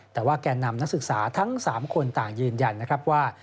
แต่ว่าแก่นำนักศึกษาทั้ง๓คนต่างยืนยันนะครับว่า